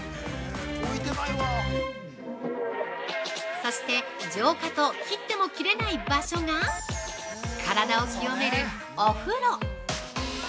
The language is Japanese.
◆そして、浄化と切っても切れない場所が体を清めるお風呂。